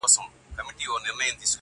دپښتون په تور وهلی هر دوران دی-